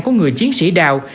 của người chiến sĩ đào